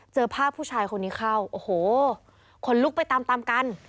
เจอภาพผู้ชายคนนี้เข้าโอ้โหคนลุกไปตามตามกัน